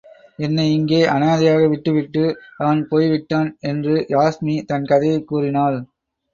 என்னை இங்கே அனாதையாக விட்டு விட்டு அவன் போய்விட்டான் என்று யாஸ்மி தன் கதையைக் கூறினாள்.